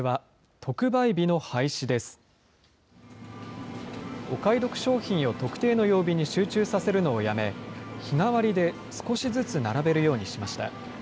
お買い得商品を特定の曜日に集中させるのをやめ、日替わりで少しずつ並べるようにしました。